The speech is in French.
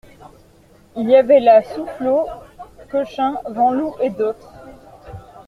Il y avait là Soufflot, Cochin, Van Loo et d'autres.